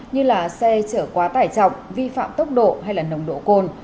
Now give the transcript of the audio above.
như là xe chở quá tải trọng vi phạm tốc độ hay là nồng độ cồn